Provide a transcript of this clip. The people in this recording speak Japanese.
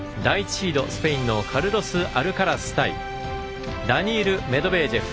シードスペインのカルロス・アルカラス対ダニール・メドベージェフ。